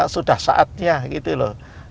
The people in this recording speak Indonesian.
sudah saatnya gitu loh